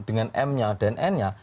dengan m nya dan n nya